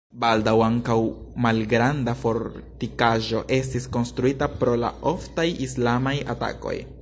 Baldaŭ ankaŭ malgranda fortikaĵo estis konstruita pro la oftaj islamaj atakoj.